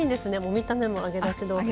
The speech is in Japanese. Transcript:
見た目も揚げだし豆腐。